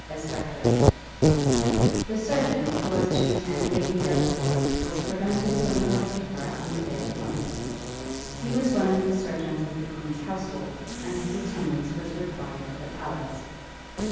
A SPECTRE. The surgeon who was to attend Lady Delacour was prevented from going to her on the day appointed; he was one of the surgeons of the queen's household, and his attendance was required at the palace.